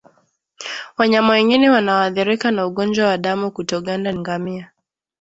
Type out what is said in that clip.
Wanyama wengine wanaoathirika na ugonjwa wa damu kutoganda ni ngamia